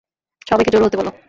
সবাইকে জড়ো হতে বলো।